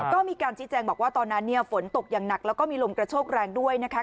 ก็มีการชี้แจงบอกว่าตอนนั้นเนี่ยฝนตกอย่างหนักแล้วก็มีลมกระโชกแรงด้วยนะคะ